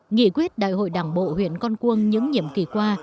nghị quyết đại hội đảng bộ huyện con cuông những nhiệm kỳ qua